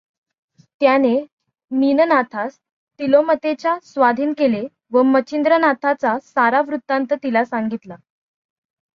त्यानें मीननाथास तिलोत्तमेच्या स्वाधीन केलें व मच्छिंद्रनाथाचा सारा वृत्तांत तिला सांगितला.